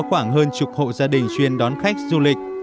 khoảng hơn chục hộ gia đình chuyên đón khách du lịch